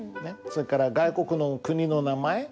それから外国の国の名前？